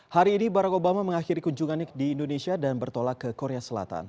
hari ini barack obama mengakhiri kunjungannya di indonesia dan bertolak ke korea selatan